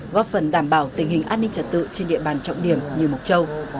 góp phần đảm bảo tình hình an ninh trật tự trên địa bàn trọng điểm như mộc châu